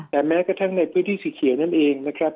แต่แม้กระทั่งในพื้นที่สีเขียวนั่นเองนะครับ